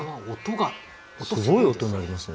すごい音鳴りますね